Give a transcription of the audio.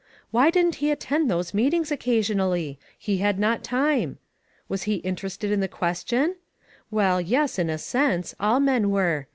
Why didn't he attend those meetings occasionally ? He had not time. Was he interested in the question ? Well, yes, in. a sense. All men were.